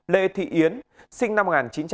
lê thị yến sinh năm một nghìn chín trăm tám mươi